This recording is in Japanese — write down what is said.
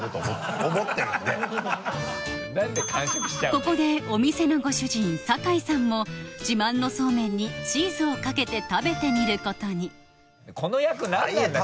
ここでお店のご主人坂井さんも自慢のそうめんにチーズをかけて食べてみることにこの役何なんだ？